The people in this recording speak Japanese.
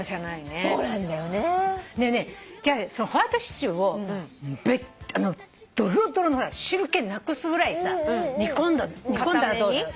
ねえねえじゃあホワイトシチューをドロドロの汁気なくすぐらいさ煮込んだらどうだろう？